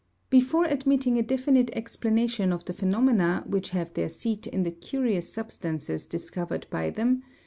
Before admitting a definite explanation of the phenomena which have their seat in the curious substances discovered by them, M.